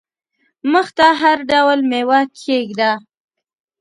مخ ته هر ډول مېوه کښېږده !